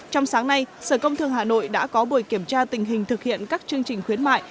trong sáng nay sở công thương hà nội đã có buổi kiểm tra tình hình thực hiện các chương trình khuyến mại